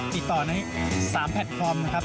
ติดต่อได้๓แพลตฟอร์มนะครับ